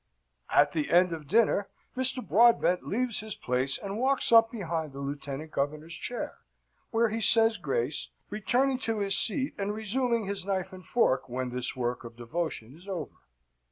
At the end of dinner, Mr. Broadbent leaves his place and walks up behind the Lieutenant Governor's chair, where he says grace, returning to his seat and resuming his knife and fork when this work of devotion is over.